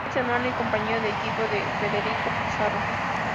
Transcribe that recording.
Es hermano y compañero de equipo de Federico Pizarro.